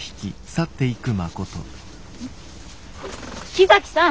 木崎さん！